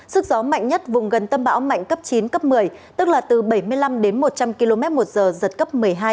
sức gió mạnh nhất vùng gần tâm bão mạnh cấp chín cấp một mươi tức là từ bảy mươi năm đến một trăm linh km một giờ giật cấp một mươi hai